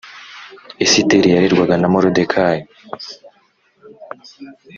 Esiteri yarerwa ga na molodekayi